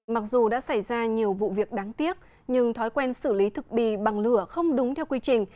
mặc dù đã xảy ra nhiều vụ việc đáng tiếc nhưng thói quen xử lý thực bì bằng lửa không đúng theo quy trình